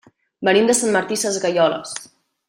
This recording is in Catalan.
Venim de Sant Martí Sesgueioles.